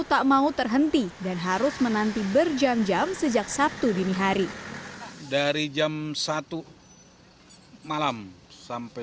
tak mau terhenti dan harus menanti berjam jam sejak sabtu dini hari dari jam satu malam sampai